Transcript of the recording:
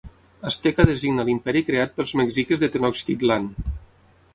Asteca designa l'imperi creat pels mexiques de Tenochtitlán.